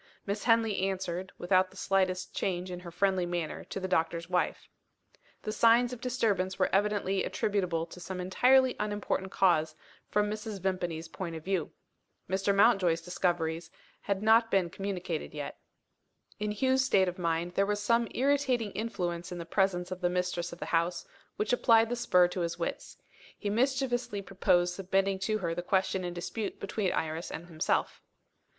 Miss Henley answered, without the slightest change in her friendly manner to the doctor's wife. The signs of disturbance were evidently attributable to some entirely unimportant cause, from Mrs. Vimpany's point of view. Mr. Mountjoy's discoveries had not been communicated yet. In Hugh's state of mind, there was some irritating influence in the presence of the mistress of the house, which applied the spur to his wits. He mischievously proposed submitting to her the question in dispute between Iris and himself.